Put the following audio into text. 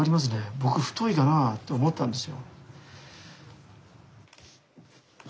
僕太いかなあと思ったんですよ。